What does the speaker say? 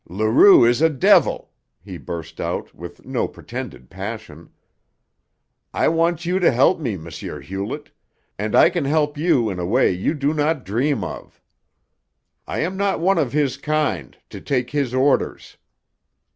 "Leroux is a devil!" he burst out, with no pretended passion. "I want you to help me, M. Hewlett, and I can help you in a way you do not dream of. I am not one of his kind, to take his orders.